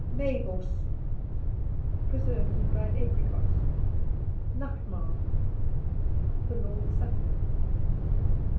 Meiboss Preserved and dried apricots. Nachtmaal The Lord's Supper.